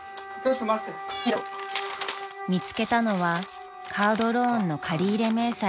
［見つけたのはカードローンの借り入れ明細です］